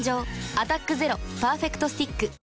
「アタックＺＥＲＯパーフェクトスティック」